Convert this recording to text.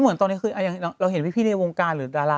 เหมือนตอนนี้เราเห็นพี่พี่ในวงการหรือดารา